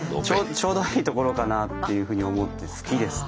ちょうどいいところかなっていうふうに思って好きですね。